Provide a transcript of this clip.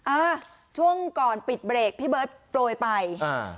อ่าช่วงก่อนปิดเบรกพี่เบิร์ตโปรยไปอ่า